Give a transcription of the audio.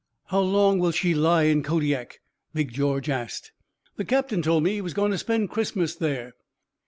"How long will she lie in Kodiak?" Big George asked. "The captain told me he was going to spend Christmas there.